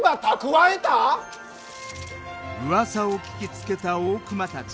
うわさを聞きつけた大隈たち。